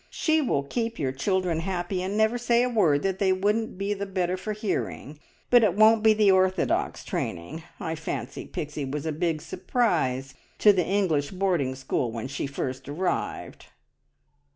She will keep your children happy, and never say a word that they wouldn't be the better for hearing, but it won't be the orthodox training! I fancy Pixie was a big surprise to the English boarding school when she first arrived."